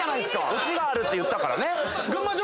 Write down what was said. オチがあるって言ったからね。